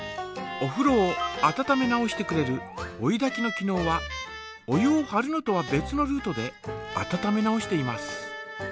おふろを温め直してくれる追いだきの機のうはお湯をはるのとは別のルートで温め直しています。